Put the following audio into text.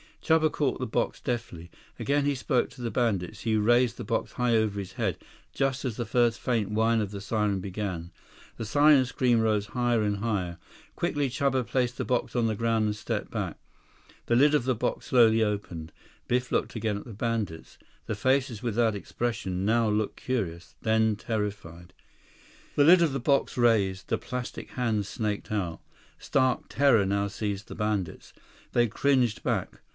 Chuba caught the box deftly. Again he spoke to the bandits. He raised the box high over his head, just as the first faint whine of the siren began. The siren's scream rose higher and higher. Quickly Chuba placed the box on the ground and stepped back. The lid of the box slowly opened. Biff looked again at the bandits. The faces without expression now looked curious, then terrified. The lid of the box raised. The plastic hand snaked out. Stark terror now seized the bandits. They cringed back.